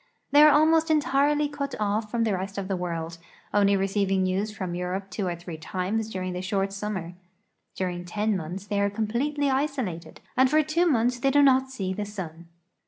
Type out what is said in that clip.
' They are almost entirely cut off from the rest of the world, only receiving news from Euroj^e two or three times during the short summer. During ten months they are completely isolated, and for two months they do not see the sun.